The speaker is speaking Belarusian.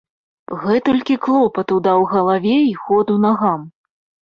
Гэтулькі клопату даў галаве і ходу нагам.